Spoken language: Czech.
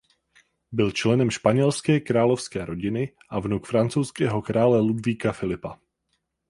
Byl členem španělské královské rodiny a vnuk francouzského krále Ludvíka Filipa.